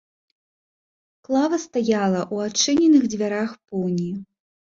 Клава стаяла ў адчыненых дзвярах пуні.